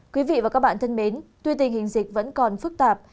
quý vị và các bạn thân mến tuy tình hình dịch vẫn còn phức tạp